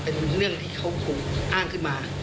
เป็นทุ่มเรื่องที่เขากูอ้านขึ้นมา